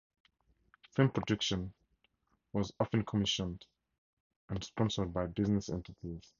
Film production was often commissioned and sponsored by business entities.